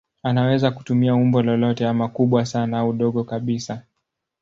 Anaweza kutumia umbo lolote ama kubwa sana au dogo kabisa.